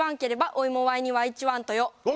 お！